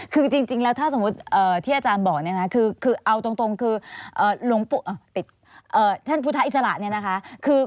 คือจริงแล้วถ้าสมมติที่อาจารย์บอกนะละเอาตรงคือ